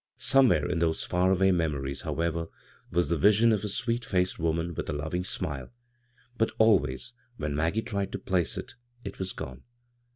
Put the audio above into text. Somewhere in those far away memcmes, however, was the vision of a sweet faced woman with a loving smile — but always when Maggie tried to place it, it was gone.